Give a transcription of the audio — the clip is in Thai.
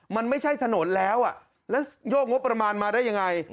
มันไม่ใช่ถนนแล้วแล้วโยกงบประมาณมาได้ยังไง